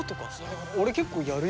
俺結構やるよ。